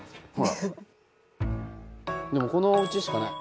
でもこのおうちしかない。